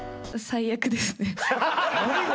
最悪ですね。